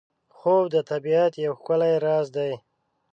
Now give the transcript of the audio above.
خوب د طبیعت یو ښکلی راز دی